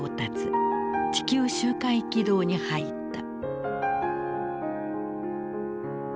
地球周回軌道に入った。